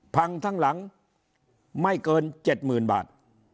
ทั้งหลังไม่เกิน๗๐๐๐บาท